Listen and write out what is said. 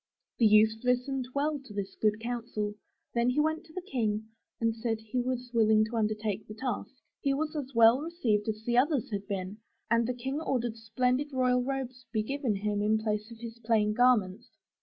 '' The youth listened well to this good counsel, then he went to the King and said he was willing to undertake the task. He was as well received as the others had been, and the King ordered splendid royal robes to be given 177 MY BOOK HOUSE him in place of his plain garments.